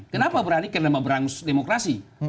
kenapa berani karena mau berangus demokrasi